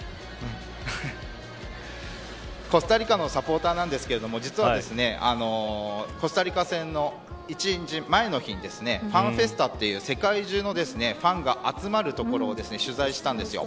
コスタリカのサポーターなんですけど実はコスタリカ戦の１日前の日にファンフェスタという世界中のファンが集まる所を取材したんです。